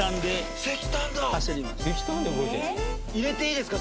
入れていいですか？